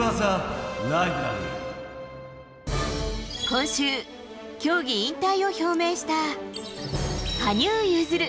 今週、競技引退を表明した羽生結弦。